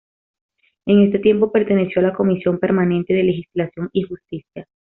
En este tiempo perteneció a la Comisión permanente de Legislación y Justicia.